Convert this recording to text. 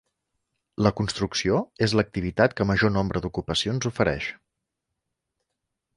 La construcció és l'activitat que major nombre d'ocupacions oferix.